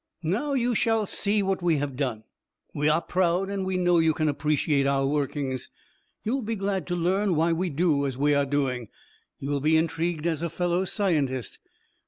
"Now you shall see what we have done. We are proud, and we know you can appreciate our workings. You will be glad to learn why we do as we are doing; you will be intrigued as a fellow scientist.